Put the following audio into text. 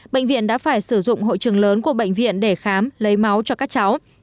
bệnh viện đã phải sử dụng hội trường lớn của bệnh viện để khám lấy máu cho các cháu